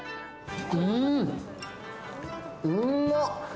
うんうまっ。